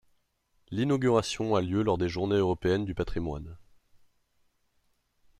L'inauguration a lieu lors des Journées européennes du patrimoine.